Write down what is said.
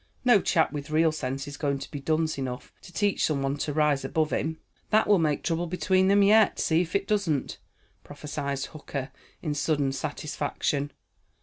"No chap with real sense is going to be dunce enough to teach some one to rise above him." "That will make trouble between them yet, see if it doesn't," prophesied Hooker in sudden satisfaction.